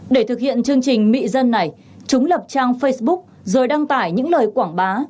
để thực hiện chương trình mị dân này chúng lập trang facebook rồi đăng tải những lời quảng bá